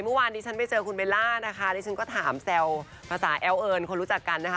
เมื่อวานนี้ฉันไปเจอคุณเบลล่านะคะดิฉันก็ถามแซวภาษาแอลเอิญคนรู้จักกันนะคะ